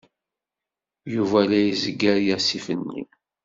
Yuba la izegger asif-nni.